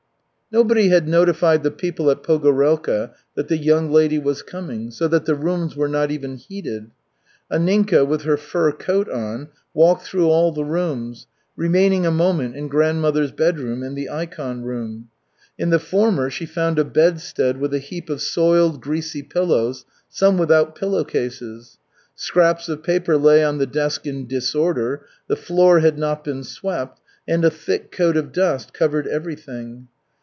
Nobody had notified the people at Pogorelka that the young lady was coming, so that the rooms were not even heated. Anninka, with her fur coat on, walked through all the rooms, remaining a moment in grandmother's bedroom and the ikon room. In the former she found a bedstead with a heap of soiled, greasy pillows, some without pillow cases. Scraps of paper lay on the desk in disorder, the floor had not been swept and a thick coat of dust covered everything.